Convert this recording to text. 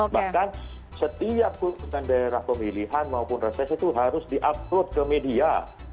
bahkan setiap kunjungan daerah pemilihan maupun reses itu harus di upload ke media